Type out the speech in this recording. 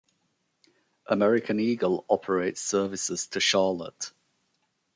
American Eagle operates services to Charlotte.